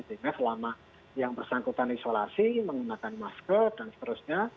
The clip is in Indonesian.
sehingga selama yang bersangkutan isolasi menggunakan masker dan seterusnya